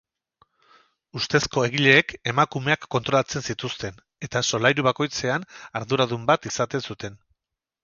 Ustezko egileek emakumeak kontrolatzen zituzten, eta solairu bakoitzean arduradun bat izaten zuten.